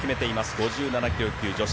５７キロ級女子。